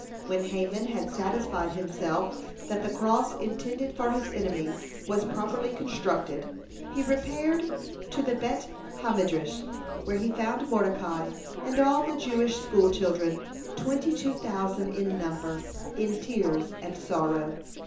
(161) When Haman had satisfied himself that the cross intended for his enemy was properly constructed, he repaired to the Bet ha Midrash, where he found Mordecai and all the Jewish school children, twenty two thousand in number, in tears and sorrow.